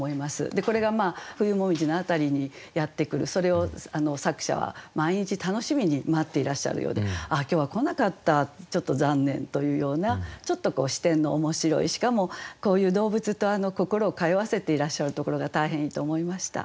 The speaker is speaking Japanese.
でこれが冬紅葉の辺りにやってくるそれを作者は毎日楽しみに待っていらっしゃるようで「ああ今日は来なかったちょっと残念」というようなちょっと視点の面白いしかもこういう動物と心を通わせていらっしゃるところが大変いいと思いました。